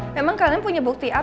memang kalian punya bukti apa